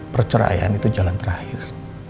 perceraian itu jalan terakhir